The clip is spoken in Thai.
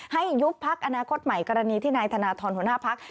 ยุบพักอนาคตใหม่กรณีที่นายธนทรหัวหน้าพัก